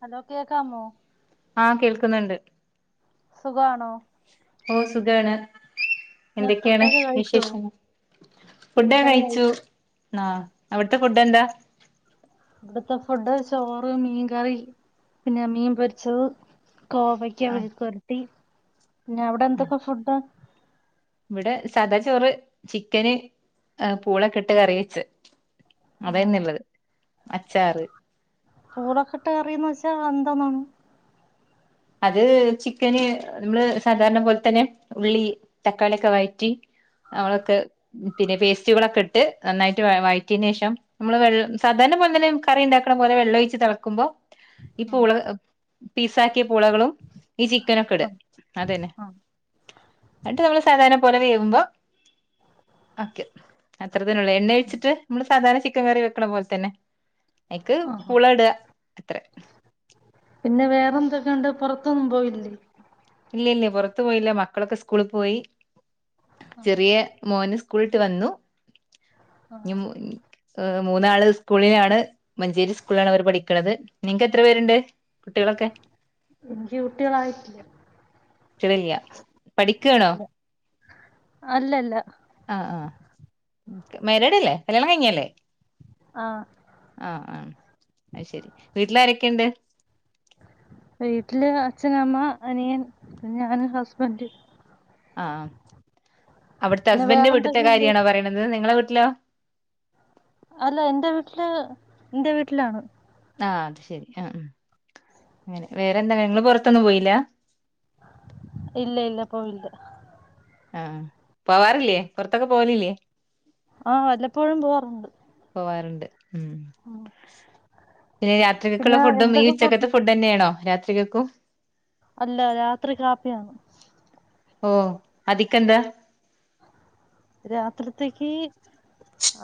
Hello കേക്കാമോ ആഹ് കേൾക്ക്ന്ന്ണ്ട് സുഖാണോ ഓ സുഖാണ് പിന്നെ എന്തൊക്കെയാണ് ഫുഡൊക്കെ കഴിച്ചോ വിശേഷങ്ങൾ ഫുഡോക്കെ ഫുഡൊക്കെ കഴി കഴിച്ചു ആഹ്, അവിട്ത്തെ ഫുഡ് എന്താ ഇവിടുത്തെ ഫുഡ് ചോറ് മീൻ കറി പിന്നെ മീൻ പൊരിച്ചത് കോവക്ക ആഹ് മെഴുക്ക് പൊരട്ടി പിന്നെ അവിടെ ആഹ് എന്തൊക്കെ ഫുഡാ ഇവിടെ സാദാ ചോറ് ചിക്കന് അ പൂളൊക്കെ ഇട്ട് കറി വെച്ച് ആ അതെന്നെ ഉള്ളത് അച്ചാറ് പൂള ഒക്കെട്ടാ കറിയെന്ന് വച്ചാൽ വന്തണം അത് ചിക്കന് നമ്മള് സാധാരണ പോലെ തന്നെ ഉള്ളി തക്കാളിയൊക്കെ വഴറ്റി നമളൊക്കെ പിന്നെ പേസ്റ്റുകളൊക്കെ ഇട്ട് നന്നായിട്ട് വഴറ്റിയതിന് ശേഷം നമ്മള് വെള്ളം സാധാരണ പോല തന്നെ കറി ഇണ്ടാക്ക്ണ പോലെ വെള്ളം ഒഴിച്ച് തെളക്കുമ്പോ ഈ ആ പുള പീസാക്കിയ പുളകളും ഈ ചിക്കനൊക്കെ ഇട ആ അതന്നെ ആ എന്നിട്ട് നമ്മള് സാധാരണ പോലെ വേവുമ്പോ ആക്കി നോക്ക് അത്ര തന്നേയുള്ളു എണ്ണ ഒഴിച്ചിട്ട് നമ്മള് സാധാരണ ചിക്കൻ കറി വെക്കണ പോലെ തന്നെ അയിക്ക് ആ ആ. പൂള ട അത്ര പിന്നെ വേറെ എന്തൊക്കെയുണ്ട് പുറത്തൊന്നും പോയില്ലേ ഇല്ല ഇല്ല പുറത്ത് പോയില്ല മക്കളൊക്കെ സ്കൂളിൽ പോയി ചെറിയ മോന് സ്കൂളിട്ട് വന്നു ആ ഇ മൂന്നാള് സ്കൂളിലാണ് മഞ്ചേരി സ്കൂളിലാണ് അവർ പഠിക്കണത് നിങ്ങക്ക് എത്ര പേരുണ്ട് കുട്ടികളൊക്കെ എനിക്ക് കുട്ടികളായിട്ടില്ല കുട്ടികളില്ല പഠിക്കാണോ അല്ലല്ലാ ആഹ് ആഹ് മാരേഡല്ലേ കല്യാണം കയ്ഞ്ഞല്ലേ? ആ ആഹ് ആം അയ്ശെരി വീട്ട്ലാരെക്കെണ്ട്? വീട്ടില് അച്ഛൻ അമ്മ അനിയൻ ഞാൻ ഹസ്ബന്റ് ആഹ് അവ്ട്ത്തെ പിന്നെ ഹസ്ബന്റ്‌ന്റെ വീട്ട്ത്തെ വേറെന്തൊക്കെയുണ്ട് കാര്യാണോ പറീണത് നിങ്ങളെ വീട്ട്ലാേ? അല്ല എന്റെ വീട്ട്ല് ന്റെ വീട്ട്ലാണ് ആഹ് അത് ശെരി ആഹ് ഉം അങ്ങെനെ വേറെന്താ നിങ്ങെള് പൊറത്തൊന്നും പോയില്ലാ ഇല്ല ഇല്ല പോയില്ല ആഹ് പോവാറില്ലേ പൊറത്തൊക്കെ പോവലില്ലേ? ആഹ് വല്ലപ്പോഴും പോവാറുണ്ട് പോവാറ്ണ്ട് ഉം പിന്നെ രാത്രികക്ക്ള്ളെ പിന്നെ ഫുഡ്ഡും ഈ എന്തൊക്കെ ഫുഡ് ഉച്ചെക്കെത്തെ ഫുഡ്ഡെന്നേണോ രാത്രികെക്കും അല്ലാ രാത്രി കാപ്പിയാണ് ഓഹ് അതിക്കെന്താ രാത്രിത്തേയ്ക്ക്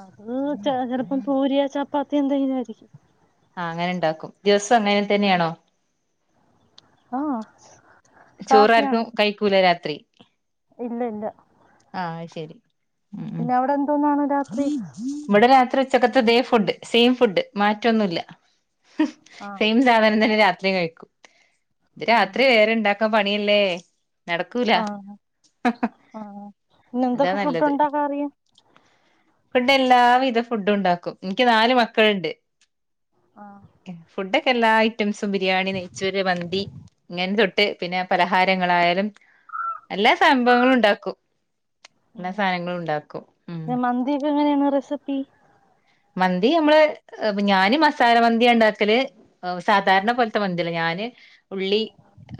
അത് ചെ ചെലപ്പം പൂരിയാേ ചപ്പാത്ത്യോ എന്തേലും ആയിരിക്കും ആഹ് അങ്ങെനെ ഇണ്ടാക്കും ദിവ്സം അങ്ങെനെ തന്നേണോ? ആഹ് ചോറ് ആർക്കും കയ്ക്കൂല രാത്രി ഇല്ല ഇല്ല ആഹ് അയ്ശെരി പിന്നെ അവിടെ എന്തോന്നാണ് രാത്രി? ഇവ്ടെ രാത്രി ഉച്ചക്കത്തെ അതേ ഫുഡ്ഡ് സെയിം ഫുഡ് മാറ്റൊന്നുല്ലാ ആ സെയിം സാധനം തന്നെ രാത്രിം കഴിക്കു ഇത് ആ രാത്രി വേറെ ഇണ്ടാക്കാം പണിയല്ലേ നടക്കൂലാ ആ ആ പിന്നെ ഇതാ എന്തൊക്കെ ഫുഡ് നല്ലത് ഉണ്ടാക്കാൻ അറിയാം പെട്ട എല്ലാവിധ ഫുഡ്ഡുണ്ടാക്കും ഇനിക്ക് നാല് മക്കള്ണ്ട് ആഹ് ഫുഡ്ഡാെക്കെ എല്ലാ ഐറ്റംസും ബിരിയാണി നെയ്ചോര് മന്തി ങ്ങെൻ തൊട്ട് പിന്നെ പലഹാരങ്ങളായാലും എല്ലാ സംഭവങ്ങളുണ്ടാക്കും ല്ലാ സാനങ്ങളുണ്ടാക്കും പിന്നെ മന്തിയൊക്കെ എങ്ങെനെയാണ് റെസിപ്പി മന്തി ഞമ്മള് ഞാന് മസാല മന്ത്യാണ്ടാക്കല് ഓഫ് സാധാര്ണ പോൽത്തെ മന്ത്യല്ല ഞാന് ഉള്ളി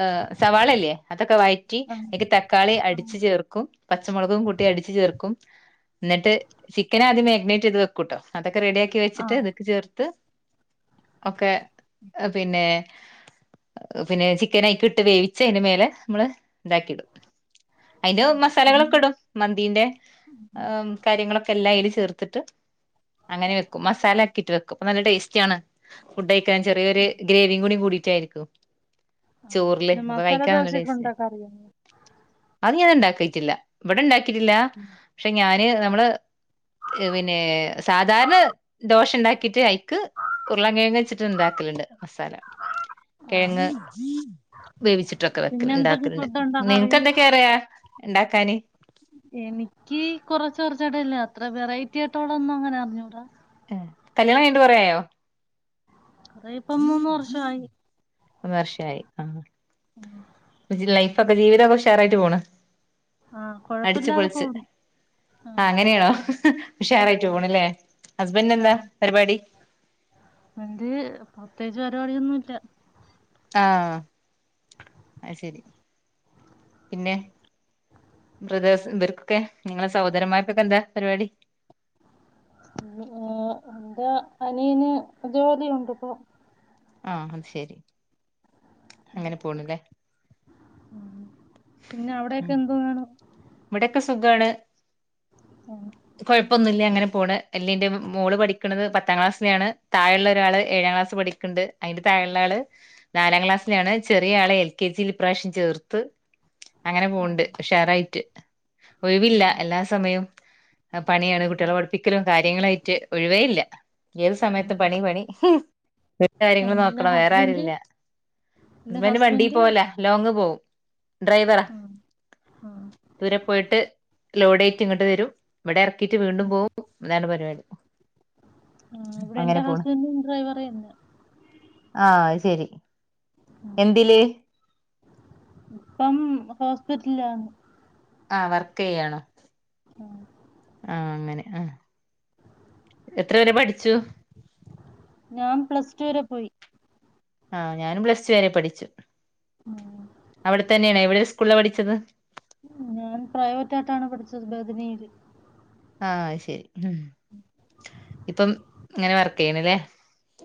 ഏഹ് സവാളല്ലേ അതൊക്കെ വയ് റ്റി ആ അയ്ക്ക് തക്കാളി ആ അടിച്ച് ചേർക്കും പച്ചമാെൾകും കൂട്ടി അടിച്ച് ചേർക്കും ന്നിട്ട് ചിക്കനാദ്യം മാഗ്‌നേറ്റെയ്ത് വെക്കുട്ടോ അതൊക്കെ റെഡ്യാക്കി ആ വെച്ചിട്ട് ത്ക്ക് ചേർത്ത് ഒക്കെ എഹ് പിന്നേ പിന്നേ ചിക്കനയ്ക്ക്ട്ട് വേവി ച്ചയ്ന് മേലെ മ്മള് താക്കിടും അയ്ല് പിന്നെ മസാലകളൊക്കെടും മന്തിന്റെ ഏം കാര്യങ്ങളൊക്കെ എല്ലാം അയ്ല് ചേർത്ത്ട്ട് അങ്ങനെ വെക്കും മസാലാക്കിട്ട് വെക്കും പ്പ നല്ലെ ടേസ്റ്റാണ് ഫുഡ്ഡയ്ക്കാൻ ചെറിയൊര് ഗ്രേവിം കൂടി കൂടിട്ടായ്ര്ക്കും ആ, ചോറ്ല് പിന്നെ അപ്പ മസാല കയ്ക്കാൻ നല്ല ദോശയൊക്കെ ടേസ്റ്റാ ഉണ്ടാക്കാൻ അറിയാമോ അത് ഞാൻ ഇണ്ടാക്കീട്ടില്ലാ ഇവ്ടെ ഇണ്ടാക്കീട്ടില്ലാ പക്ഷെ ഞാന് നമ്മള് പിന്നേ സാധാര്ണെ ദോശണ്ടാക്കീട്ട് അയ് ക്ക് ഉരുളാകിഴങ്ങ വെച്ചിട്ട് ഉണ്ടാക്കലുണ്ട് മസാല ആ കിഴങ്ങ് വേവിച്ചിട്ടൊക്കെ വെക്ക പിന്നെ എന്തൊക്കെ ഉണ്ടാക്കുന്നുണ്ട് ഫുഡ് ഉണ്ടാക്കാൻ അറിയാം നിങ്ങക്ക്ന്തൊക്കെയ അറിയ ഉണ്ടാക്കാന് എനിക്ക് കുറച്ച കുറച്ചടയില്ലേ അത്ര വെറൈറ്റി ആയിട്ടോവി ഒന്നും അങ്ങനെ അറിഞ്ഞൂടാ കല്യാണം കഴിഞ്ഞിട്ട് കൊറെ ആയോ അതെ വർഷയായി ആഹ് ആഹ് ലൈഫൊക്കെ ജീവിതൊക്കെ ഉഷാറായിട്ട് പോണ് ആഹ് കൊഴപ്പല്ലാതെ പോന്നു ആഹ് അങ്ങനെയാണോ ഉഷയായിട്ട് പോണല്ലേ ഹസ്ബൻഡ എന്താ പരിപാടി എന്ത് പ്രത്യേകിച്ച് പരിപാടിയൊന്നും ഇല്ല ആഹ് അയ്ശരി പിന്നെ ബ്രദേഴ്സ് ഇവർക്കൊക്കെ നിങ്ങളെ സഹോദരമാർപ്പൊക്കെ എന്താ പരിപാടി എന്താ അനിയന് ജോലിയുണ്ട് ഇപ്പൊ ആഹ് അത് ശെരി പിന്നെ അവിടെക്കെ ഉം എന്തോ വേണം ഇവിടെക്കെ സുഖമാണ് ആഹ് കുഴപ്പമൊന്നുല്ലേ അങ്ങനെ പോണ് എല്ലി എന്റെ മോള് പഠിക്കുന്നത് പത്താം ക്ലാസ്സിലെയാണ് താഴുള്ള ഒരാൾ ഏഴാം ക്ലാസ് പടി ണ്ട് അതിന്റെ താഴുള്ള ആള് നാലാം ക്ലാസ്സിലാണ് ചെറിയ ആളെ എൽ കെ ജിയിൽ ഇ പ്രാവശ്യം ചേർത്ത് അങ്ങനെ ഉം, പോണ്ട് ഉഷാറായിട്ട് ഒഴിവില്ല ഉം, എല്ലാ സമയവും പണിയാണ് കുട്ടികളെ പഠിപ്പിക്കലും കാര്യങ്ങളായിട്ട് ഒഴിവേ ഇല്ല ഏത് ഉം. സമയത്തും പണി പണി ഉം, കാര്യങ്ങള് പിന്നെ നോക്കണം വേറെ ഹസ്ബൻഡ് ആരുല്ല പിന്നെ അസ്ബന്റ് വണ്ടി ഹസ്ബൻഡ് പോല ലോങ്ങ് പോവും ഡ്രൈവറ ദൂരെ പോയിട്ട് ലോഡ് കേറ്റി ഇങ്ങോട്ട് വരും ഇവിടെ ഇറക്കിയിട്ട് വീണ്ടും പോകും അതാണ് പരിപാടി ആഹ് ഇവിടെ എന്റെ അങ്ങനെ പോണ് ഹസ്ബൻഡും ഡ്രൈവർന്ന ആഹ് ശരി എന്തില് ഇപ്പം ഹോസ്പിറ്റലിലാണ് ആഹ് വർക്ക് ചെയ്യണോ ആഹ് അങ്ങനെ ആ എത്ര വരെ പഠിച്ചു ഞാൻ പ്ലസ് ടുൂ വരെ പോയി ആഹ് ഞാനും പ്ലസ് ടു വരെ പഠിച്ചു ഉം. അവിടെ തന്നെയാണ് എവിടെ സ്കൂളില പഠിച്ചത് ഞാൻ പ്രൈവറ്റയിട്ടാണ് പഠിച്ചത് ബത്മില് ആഹ് ശരി ഉ ഇപ്പം ഇങ്ങനെ വർക്ക് ചെയ്യണല്ലേ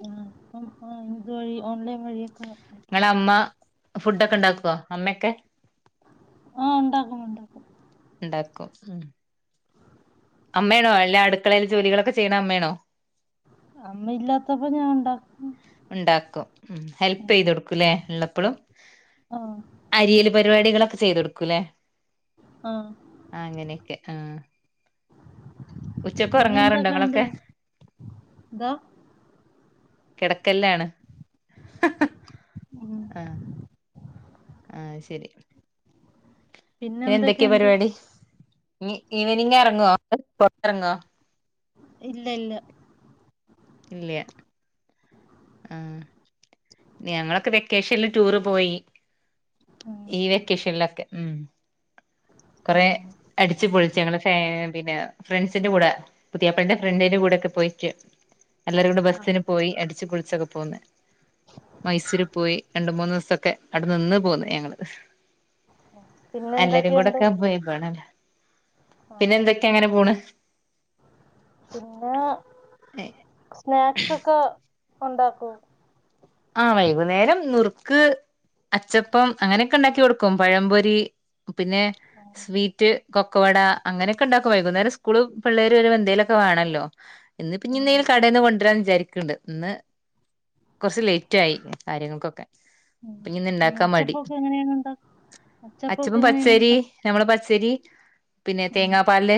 ആഹ് അപ്പ നമ്മളെ എന്തു വഴി ഓലൈൻ വഴിയാ നിങ്ങള അമ്മ ഫുഡൊക്കെ ഉണ്ടാക്കോ അമ്മയൊക്കെ ആഹ് ഉണ്ടാക്കും ഉണ്ടാക്കും ഉണ്ടാക്കും ഉം അമ്മയാണോ അല്ല അടുക്കളയിൽ ജോലികളൊക്കെ ചെയ്യണെ അമ്മയാണോ അമ്മ ഇല്ലാത്തപ്പോ ഞാൻ ഉണ്ടാക്കും ഇണ്ടാക്കും ഉം ഹെൽപ് ചെയ്ത് കൊടുക്കൂലേ ഇള്ളപ്പളും ആഹ് അരിയല് പരിപാടികളൊക്കെ ചെയ്ത് കൊടുക്കൂലേ ആഹ് അങ്ങനെയൊക്കെ ആഹ് ഉച്ചക്ക് ഒറങ്ങാറുണ്ടോ നിങ്ങളൊക്കെ എന്തോ കെടക്കല്ലാണ് ഉം. ആഹ് ആഹ് ശരി പിന്നെ എന്തൊക്കെയാ പിന്നെന്തൊക്കെയുണ്ട്? പരിപാടി ഇനി ഈവനിങ് എറങ്ങോ പൊറത്തെറങ്ങോ ഇല്ല ഇല്ല ഇല്യ ആഹ് ഞങ്ങളൊക്കെ വെക്കേഷല്ല് ടൂറ് പോയി ഉം. ഈ വെക്കേഷൽ ഒക്കെ ഉം കൊറേ ആ. അടിച്ച്പൊളിച്ച് ഞങ്ങള് ഫാ പിന്നെ ഫ്രണ്ട്സിന്റെ കൂടെ പുതിയാപ്ലന്റെ ഫ്രണ്ടിന്റെ കൂടെയൊക്കെ പോയിറ്റ് എല്ലാരും കൂടെ ആ. ബസ്സിന് പോയി അടിച്ച് പൊളിച്ചൊക്കെ പോന്ന് മൈസൂര് പോയി രണ്ട് മൂന്നു ദിവസൊക്കെ അവടെ നിന്ന് പോന്ന് ഞങ്ങള് എല്ലാരും പിന്നെന്തൊക്കെയുണ്ട്? കൂടൊക്കെ പോയേക്കുവാണ് അല്ലേ ആ. പിന്നെ എന്തൊക്കെ അങ്ങനെ പോണ് പിന്നെ സ്നാക്സൊക്കെ ഒണ്ടാക്കോ ആഹ് വൈകുന്നേരം നുറുക്ക് അച്ചപ്പം അങ്ങനെയൊക്കെ ഒണ്ടാക്കി കൊടുക്കും പഴംപൊരി പിന്നെ ഉം. സ്വീവീറ്റ് കൊക്കുവട അങ്ങനെയൊക്കെ ഇണ്ടാക്കും വൈകുന്നേരം സ്കൂള് പിള്ളേര് വരുമ്പോ എന്തേലൊക്കെ വണല്ലോ ഇന്ന് ഇപ്പ ഇഞ്ഞി ആ. എന്തേലും കടെന്ന് കൊണ്ടുവരാന്ന് വിചാരിക്കണ്ട് ഇന്ന് കൊറച്ച് ലേ റ്റായി കാര്യങ്ങൾക്കൊക്കെ ഉം. ഇപ്പിന്ന് പിന്നെ ഇണ്ടാക്കാൻ മടി അച്ചപ്പൊക്കെ എങ്ങനെയാണ് ഉണ്ടാക്കുക? അച്ചപ്പൊക്കെ അച്ചപ്പൻ എങ്ങനെയാണ് പച്ചേരി ഉണ്ടാക്കുക? നമ്മള് പച്ചരി പിന്നെ ആ തേങ്ങ പാല്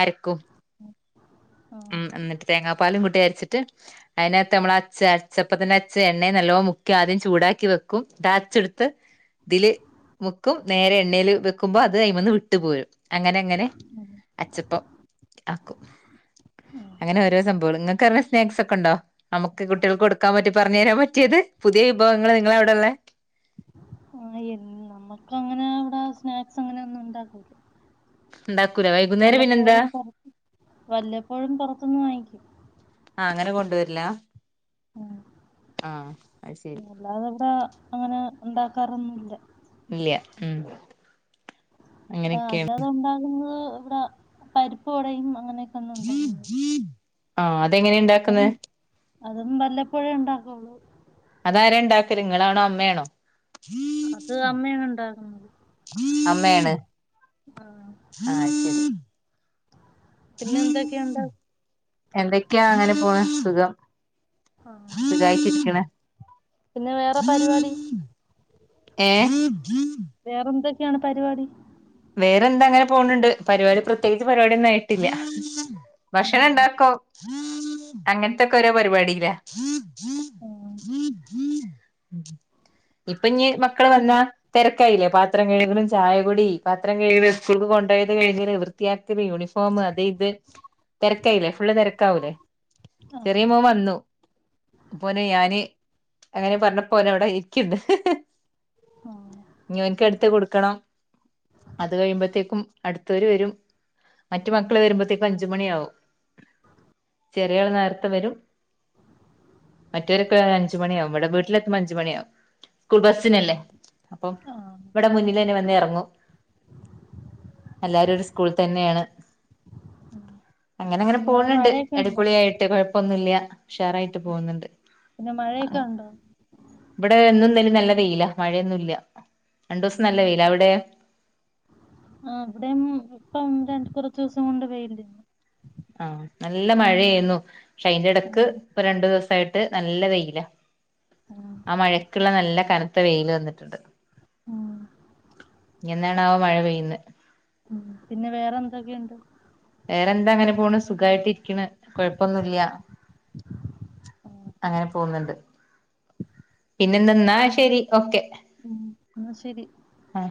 അരക്കും ആ. ഉം എന്നിട്ട് തേങ്ങാപ്പാലും കൂട്ടി അരിച്ചിട്ട് അയിനാത്ത് ഞമ്മള് അച്ച അച്ചപ്പത്തിന്റെ അ ച്ച് എണ്ണെ നല്ലോ മുക്കി ആദ്യം ചൂടാക്കി വെക്കും അരച്ചെടുത്ത് ഇതില് മുക്കും നേരെ എണ്ണെല് വെക്കുമ്പോ അത് അയ്മെന്ന് വിട്ടു പോരും അങ്ങനെ അങ്ങനെ അച്ചപ്പം ആക്കും അങ്ങനെ ഓരോ സംബോള് [unintelligible] സ്നാക്സ് ഒക്കെ ഒണ്ടോ നമുക്ക് കുട്ടികൾക്ക് കൊടുക്കാൻ പറ്റി പറഞ്ഞു തരാൻ പറ്റിയത് പുതിയ വിഭവങ്ങള് നിങ്ങളവിടെ ഒള്ളേ ആഹ് നമ്മുക്ക് അങ്ങനെ അവടെ സ്നാക്സ് അങ്ങനെ ഒന്നും ഉണ്ടാക്കൂല ഉണ്ടാക്കൂല വൈ വല്ലപ്പോഴും പൊർ വല്ലപ്പോഴും പൊറത്ത്ന്നു വാങ്ങിക്കും ആഹ് അങ്ങനെ കൊണ്ടു വെരില്ലാ ഉം. ആഹ് അയ് ശരി അല്ലാതെ ഇവടെ അങ്ങനെ ഒണ്ടാക്കാറൊന്നുല്ല ഇല്യ ഉം ആഹ് അങ്ങനെയൊക്കെയാണ് അല്ലാതെ ഉണ്ടാകുന്നത് ഇവടെ പരിപ്പുവടയും അങ്ങനെ തന്നെ എന്തെങ്കിലും ആ അതെങ്ങനെ ഉണ്ടാക്കുന്നത് [unintelligible] അതും വല്ലപ്പോഴേ ഇണ്ടാക്കൊള്ളൂ അതാര ഇണ്ടാക്കല് നിങ്ങളാണോ അമ്മയാണോ അത് അമ്മയാണ് ഉണ്ടാക്കുന്നത് അമ്മയാണ് ആ ശരി പിന്നെ എന്തൊക്കേണ്ട് എന്തൊക്കൃ അങ്ങനെ പോണ് സുഖം ആ. സുഖായിട്ടിരിക്ക്ണ് പിന്നെ വേറെ പരിപാടി ഏ വേറെന്തൊക്കെയാണ് പരിപാടി വേറെന്താ അങ്ങനെ പോണ് ണ്ട് പരിപാടി പ്രത്യേകിച്ച് പരിപാടിയൊന്നും ആയിട്ടില്ല ഭഷണം ഉം. ഉണ്ടാക്കും അങ്ങനെത്തൊക്കെ ഓരോ പരിപാടീലാ ഉം. ങ് ഹും [inaudible] ഇപ്പഞ്ഞ് മക്കെള് പിൻ- വന്നാ തെരക്കായില്ലേ പാത്രം കഴുകലും ചായകുടീ പാത്രം കഴുകല് സ്കൂൾക്ക് കൊണ്ടൊയത് കെഴ്കല് വ്ർ വൃത്തിയാക്കല് യൂണിഫോമ് അത് ഇത് തെരക്കായില്ലേ. ഫുള്ള് തെരക്കാവൂലേ ആ. ചെറിയ മോവന്നു പോനെ ഞാന് അങ്ങനെ പറഞ്ഞപ്പോനവ്ടെയിക്ക്ണ്ട് ആ. ഇനോന്ക്ക്ട്ത്ത് കൊടുക്കണം അത് കഴിയുമ്പഴത്തേക്കും അടുത്തൊര് വെരും മറ്റ് മക്കെള് വരുമ്പത്തേക്കും അഞ്ചുമണിയാവും ചെറിയിവൾ നേരത്തെ വെരും മറ്റൊരിപ്പവരാന് അഞ്ച് മണിയാവും ഇവ്ടെ വീട്ടിലെത്തുമ്പൊ അഞ്ച് മണിയാവും സ്കൂൾ ആ. ബസ്സിനല്ലേ അപ്പം ആ. ഇബ്ടെ മുന്നിലെന്നെ വന്നെറങ്ങും എല്ലാരും ഒരു സ്കൂൾ തന്നെയാണ് അങ്ങനെ അങ്ങനെ പിന്നെ അവിടെ പോണ് ണ്ട് മഴയൊക്കെ ഉണ്ടോ അടിപൊളിയായി ട്ട് കൊഴപ്പൊന്നുല്ല്യാ ഉഷാറായിട്ട് പോവ്ന്ന്ണ്ട്. പിന്നെ മഴയെക്കെ ണ്ടോ ഇബ്ടെ ഇന്നും ഇന്നെലേംനല്ല വെയിലാ മഴയൊന്നുല്ല രണ്ടൂസം നല്ല വെയിലാ അവ്ടേ ആ ഇബടെം ഇപ്പം രണ്ട് കൊറെച്ചൂസം കൊണ്ട് വെയില് ആ നല്ല മഴയേന്നു പക്ഷെ അയിന്റെടക്ക് ഉം ഇപ്പ രണ്ടൂസായിട്ട് നല്ല വെയിലാ ഉം ആ മഴക്ക്ള്ള നല്ല കന ത്ത വെയില് വന്നിട്ണ്ട് ആ ഇനിന്നാണാവോ മഴ പെയ്യുന്നേ ഉം പിന്നെ വേറെന്തെക്കെയ്ണ്ട് വേറെന്താ അങ്ങനെ പോണ് സുഖായിട്ടിരിക്ക്ണ് കൊഴപ്പൊന്നുല്ല്യാ അങ്ങനെ പോവ്ന്ന്ണ്ട് പിന്നെ ന്ന്നാ ശരി ഓക്കെ ആ ശെരി ആ